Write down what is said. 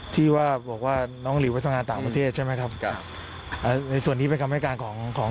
ที่ว่าบอกว่าน้องหลิวไปทำงานต่างประเทศใช่ไหมครับจ้ะในส่วนนี้เป็นคำให้การของของ